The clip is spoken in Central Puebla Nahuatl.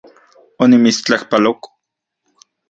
Onimitstlajpaloko